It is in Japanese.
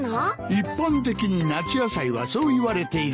一般的に夏野菜はそう言われているなぁ。